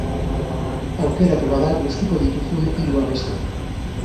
Aukeratu, bada, gustuko dituzun hiru abesti.